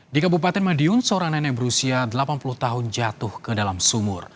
di kabupaten madiun seorang nenek berusia delapan puluh tahun jatuh ke dalam sumur